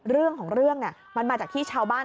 เรื่องของเรื่องมันมาจากที่ชาวบ้าน